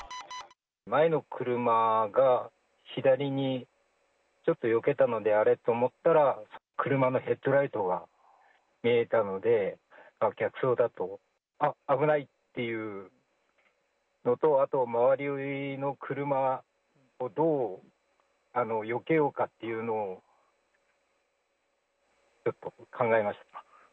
前の車が、左にちょっとよけたので、あれと思ったら、車のヘッドライトが見えたので、あっ、逆走だと思って、あっ、危ないっていうのと、あと周りの車をどうよけようかっていうのをちょっと考えました。